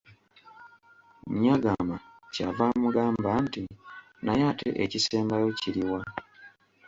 Nyagama ky'ava amugamba nti, naye ate ekisembayo kiri wa?